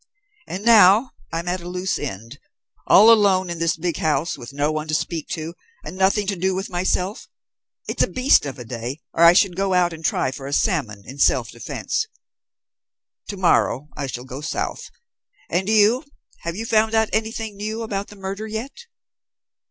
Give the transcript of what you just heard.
And now I'm at a loose end; all alone in this big house with no one to speak to and nothing to do with myself. It's a beast of a day, or I should go out and try for a salmon, in self defence. To morrow I shall go South. And you, have you found out anything new about the murder yet?"